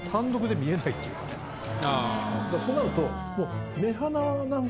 そうなるともう。